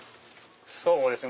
そうですね